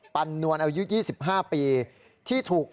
ปัญญ์นวลอายุ๒๕ปี